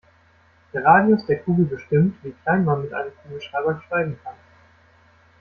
Der Radius der Kugel bestimmt, wie klein man mit einem Kugelschreiber schreiben kann.